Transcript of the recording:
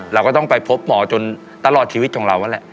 เราก็ต้องไปพบหมอจนตลอดชีวิตของเรานั่นแหละ